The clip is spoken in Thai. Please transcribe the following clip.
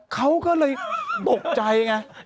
เขาก็เลยตกใจไง